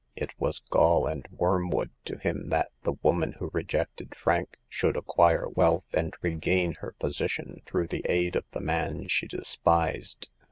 It was gall and wormwood to him that the woman who rejected Frank should acquire wealth and regain her position through the aid of the man she despised.